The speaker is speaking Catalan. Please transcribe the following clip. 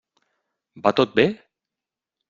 Va tot bé?